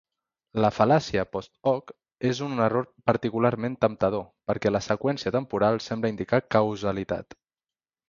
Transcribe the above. La fal·làcia "post hoc" és un error particularment temptador, perquè la seqüència temporal sembla indicar causalitat.